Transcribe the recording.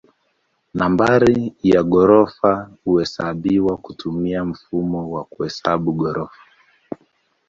Nambari ya ghorofa huhesabiwa kutumia mfumo wa kuhesabu ghorofa.